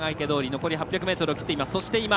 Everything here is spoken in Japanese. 残り８００ｍを切っています。